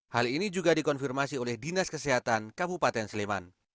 hal ini juga dikonfirmasi oleh dinas kesehatan kabupaten sleman